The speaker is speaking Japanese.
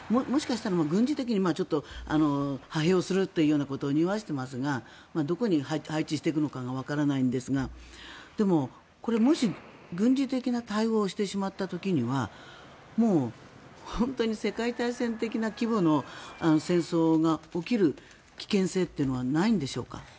もしかしたら軍事的に派兵をするということをにおわせていますがどこに配置していくかわからないんですがでも、もし軍事的な対応をしてしまった時にはもう本当に世界大戦的な規模の戦争が起きる危険性というのはないんでしょうか。